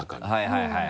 はいはい。